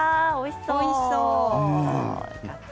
おいしそう。